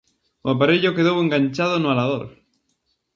O aparello quedou enganchado no halador.